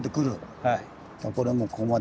これもここまで来る。